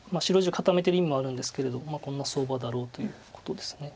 白地を固めてる意味もあるんですけれどこんな相場だろうということです。